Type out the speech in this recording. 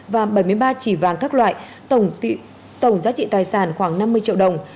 và bảy mươi ba chỉ vàng các loại tổng giá trị tài sản khoảng năm mươi triệu đồng